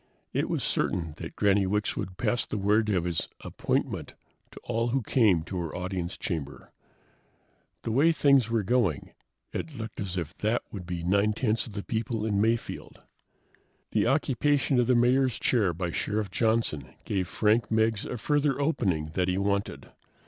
It was certain that Granny Wicks would pass the word of his "appointment" to all who came to her audience chamber. The way things were going, it looked as if that would be nine tenths of the people in Mayfield. The occupation of the Mayor's chair by Sheriff Johnson gave Frank Meggs a further opening that he wanted.